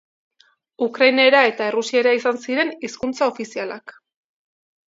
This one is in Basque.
Ukrainera eta errusiera izan ziren hizkuntza ofizialak.